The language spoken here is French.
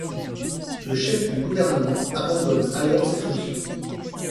Le chef du gouvernement abandonne alors ses fonctions.